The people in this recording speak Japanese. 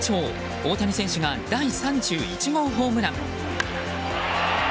大谷選手が第３１号ホームラン！